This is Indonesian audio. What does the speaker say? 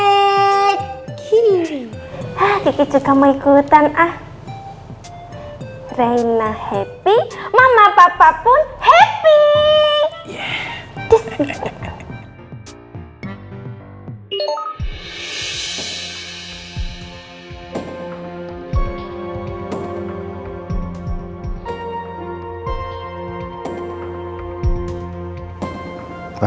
hai kiri kiri juga mau ikutan ah reina happy mama papa pun happy ya